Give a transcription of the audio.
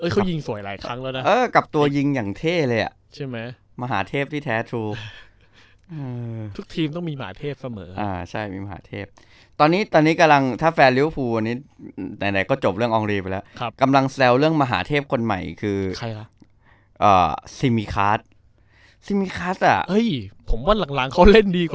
เขายิงสวยหลายครั้งแล้วนะเออกับตัวยิงอย่างเท่เลยอ่ะใช่ไหมมหาเทพที่แท้ทูทุกทีมต้องมีหมาเทพเสมออ่าใช่มีมหาเทพตอนนี้ตอนนี้กำลังถ้าแฟนริวฟูวันนี้ไหนก็จบเรื่องอองรีไปแล้วกำลังแซวเรื่องมหาเทพคนใหม่คือใครล่ะซิมิคัสซิมิคัสอ่ะเฮ้ยผมว่าหลังเขาเล่นดีกว่า